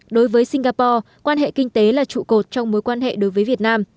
đối với singapore quan hệ kinh tế là trụ cột trong mối quan hệ đối với việt nam